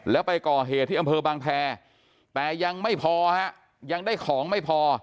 แล้วไปก่อเหตุที่อำเภอบางแพรแต่ยังไม่พอฮะยังได้ของไม่พอ